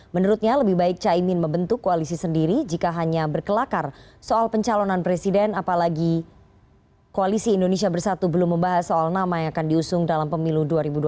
menurutnya lebih baik caimin membentuk koalisi sendiri jika hanya berkelakar soal pencalonan presiden apalagi koalisi indonesia bersatu belum membahas soal nama yang akan diusung dalam pemilu dua ribu dua puluh